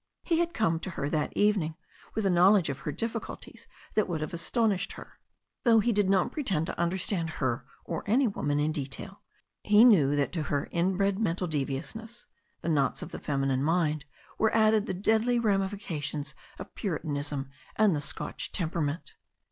He had come to her that evening with a knowledge of her difficulties that would have astonished her. Though he did 148 THE STORY OP A NEW ZEALAND BIVER not pretend to understand her or any woman in detail, he knew that to her inbred mental deviousness, the knots of the feminine mind, were added the deadly ramifications of Puritanism and the Scotch temperament.